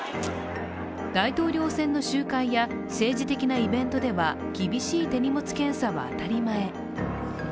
大統領選の集会や政治的なイベントでは厳しい手荷物検査は当たり前。